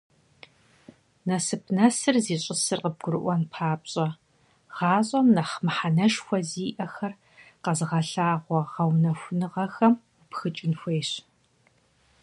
Насып нэсыр зищӀысыр къыбгурыӀуэн папщӀэ, гъащӏэм нэхъ мыхьэнэшхуэ зиӏэхэр къэзыгъэлъагъуэ гъэунэхуныгъэхэм упхыкӀын хуейщ.